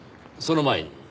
その前に。